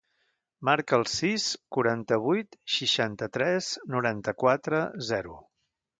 Marca el sis, quaranta-vuit, seixanta-tres, noranta-quatre, zero.